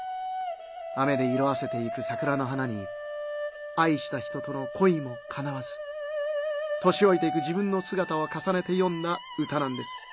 雨で色あせていくさくらの花にあいした人とのこいもかなわず年おいていく自分のすがたをかさねてよんだ歌なんです。